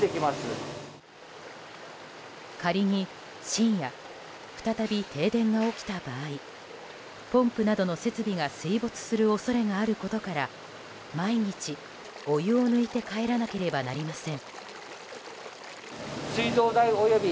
仮に、深夜再び停電が起きた場合ポンプなどの設備が水没する恐れがあることから毎日、お湯を抜いて帰らなければなりません。